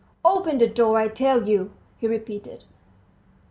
"Open the door, I tell you," he repeated.